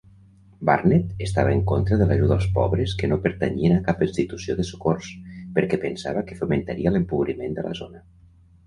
Barnett estava en contra de l'ajuda als pobres que no pertanyien a cap institució de socors, perquè pensava que fomentaria l'empobriment de la zona.